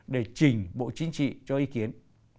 để trình bộ chính trị cho ý kiến